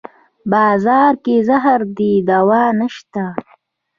بازار کې زهر دی دوانشته